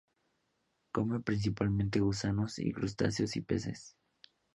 Come principalmente gusanos, crustáceos y peces.